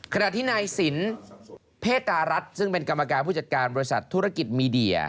ขณะที่นายสินเพตรารัฐซึ่งเป็นกรรมการผู้จัดการบริษัทธุรกิจมีเดีย